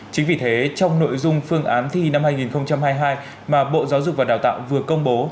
chính vì thế trong nội dung phương án thi năm hai nghìn hai mươi hai mà bộ giáo dục và đào tạo vừa công bố